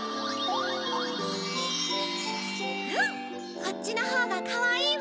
こっちのほうがかわいいわ！